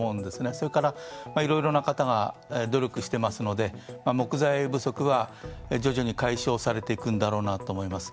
それから、いろいろな方が努力していますので木材不足は徐々に解消されていくんだろうなとは思います。